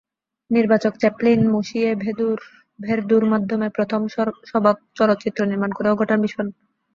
নির্বাক চ্যাপলিন মঁসিয়ে ভের্দ্যুর মাধ্যমে প্রথম সবাক চলচ্চিত্র নির্মাণ করেও ঘটান বিস্ফোরণ।